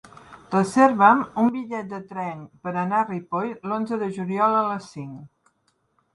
Reserva'm un bitllet de tren per anar a Ripoll l'onze de juliol a les cinc.